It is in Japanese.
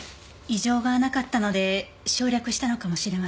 異常がなかったので省略したのかもしれません。